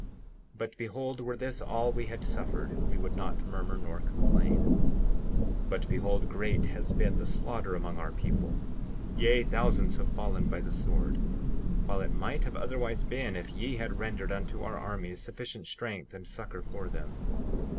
60:4 But behold, were this all we had suffered we would not murmur nor complain. 60:5 But behold, great has been the slaughter among our people; yea, thousands have fallen by the sword, while it might have otherwise been if ye had rendered unto our armies sufficient strength and succor for them.